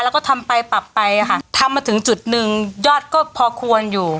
แล้วก็ทำไปปรับไปค่ะทำมาถึงจุดหนึ่งยอดก็พอควรอยู่